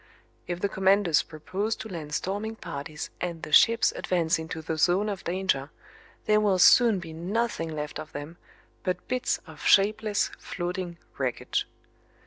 If the commanders propose to land storming parties and the ships advance into the zone of danger there will soon be nothing left of them but bits of shapeless floating wreckage.